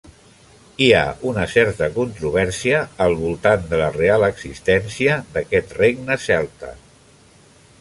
Hi ha una certa controvèrsia al voltant de la real existència d'aquest regne celta.